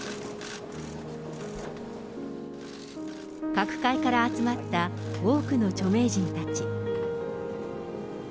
各界から集まった多くの著名人たち。